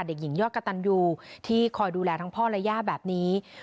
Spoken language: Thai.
เด็กหญิงยอดกะตันยูที่คอยดูแลทั้งพ่อและย่าแบบนี้